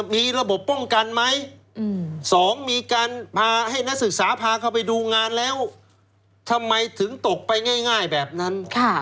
มีระบบป้องกันไหม๒มีการพาให้นักศึกษาพาเข้าไปดูงานแล้วทำไมถึงตกไปง่ายแบบนั้น